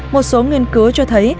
một số nghiên cứu cho thấy